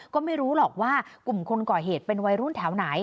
ก็ไม่รู้หรอกว่ากลุ่มคนก่อเหตุเป็นวัยรุ่นแถวไหน